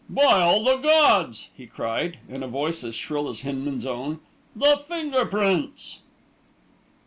"By all the gods!" he cried, in a voice as shrill as Hinman's own. "The finger prints!"